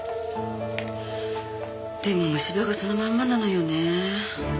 でも虫歯がそのまんまなのよね。